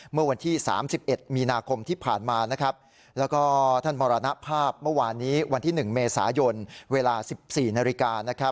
เมื่อวานนี้วันที่๑เมษายนเวลา๑๔นาฬิกา